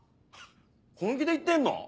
本気で言ってんの？